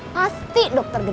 gak ada kerja